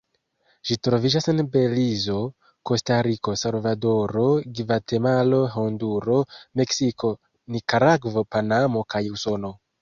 Ĝi troviĝas en Belizo, Kostariko, Salvadoro, Gvatemalo, Honduro, Meksiko, Nikaragvo, Panamo kaj Usono.